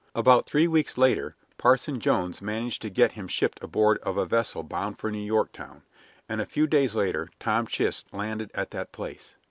About three weeks later Parson Jones managed to get him shipped aboard of a vessel bound for New York town, and a few days later Tom Chist landed at that place.